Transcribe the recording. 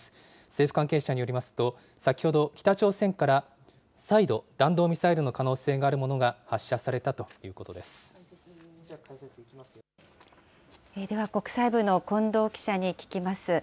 政府関係者によりますと、先ほど、北朝鮮から再度、弾道ミサイルの可能性があるものが発射されたとでは国際部の近藤記者に聞きます。